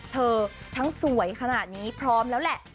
ทั้งสวยขนาดนี้พร้อมแล้วแหละ